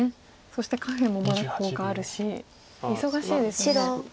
そして下辺もまだコウがあるし忙しいですね。